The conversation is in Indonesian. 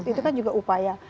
itu kan juga upaya